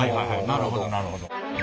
なるほどなるほど。